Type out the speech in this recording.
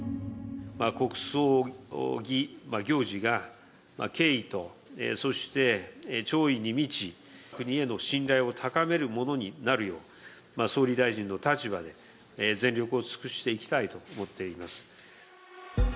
国葬儀、行事が敬意と、そして弔意に満ち、国への信頼を高めるものになるよう、総理大臣の立場で全力を尽くしていきたいと思っています。